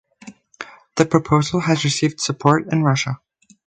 The proposal has received support in Russia.